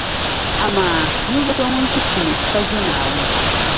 Amaa! Ninvuɣu so ŋun ti pini, ka zo Naawuni.